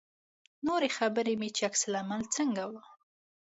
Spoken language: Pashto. نورې خبرې مې چې عکس العمل څنګه و.